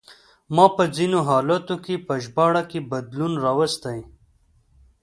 ما په ځینو حالتونو کې په ژباړه کې بدلون راوستی.